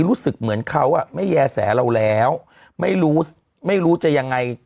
รู้สึกเหมือนเขาอ่ะไม่แย่แสเราแล้วไม่รู้ไม่รู้จะยังไง